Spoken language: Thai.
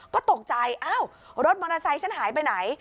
ก็ตกใจอ้าวรถมอเตอร์ไซค์ฉันหายไปไหน